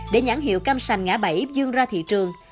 để nhãn hiệu cam sành ngã bảy dương ra thị trường